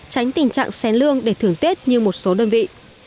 tránh tình trạng xén lương để thưởng tết như một số đơn vị